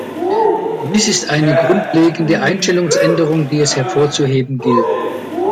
Dies ist eine grundlegende Einstellungsänderung, die es hervorzuheben gilt.